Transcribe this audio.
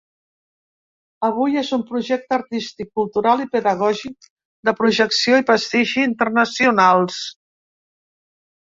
Avui és un projecte artístic, cultural i pedagògic de projecció i prestigi internacionals.